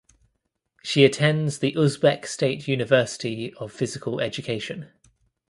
She attends the Uzbek State University of Physical Education.